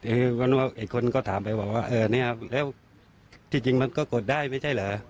อีกคนก็ถามไปบอกว่าเออเนี่ยแล้วที่จริงมันก็กดได้ไม่ใช่เหรอ